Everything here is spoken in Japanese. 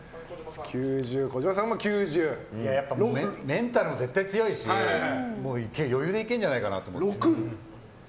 やっぱりメンタルも絶対強いし余裕でいけんじゃないかなって。